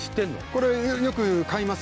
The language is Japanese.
これよく買います